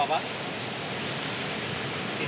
hurusan pak ooyong sampai seluas ini